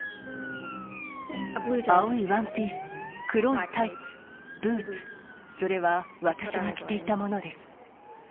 青いワンピース、黒いタイツ、ブーツ、それは私が着ていたものです。